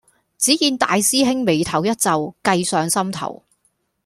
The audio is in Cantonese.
只見大師兄眉頭一皺，計上心頭